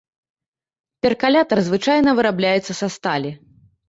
Перкалятар звычайна вырабляецца са сталі.